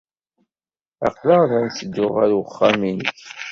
Aql-aɣ la netteddu ɣer uxxam-nnek.